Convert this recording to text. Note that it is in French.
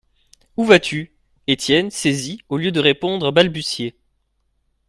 Où vas-tu ? Étienne, saisi, au lieu de répondre, balbutiait.